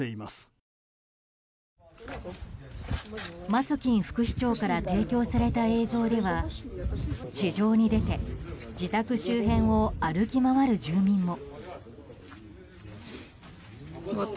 マツォキン副市長から提供された映像では地上に出て自宅周辺を歩き回る住民も。